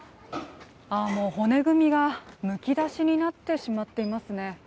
もう骨組みがむき出しになってしまっていますね。